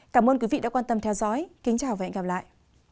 cảm ơn quý vị đã quan tâm theo dõi kính chào và hẹn gặp lại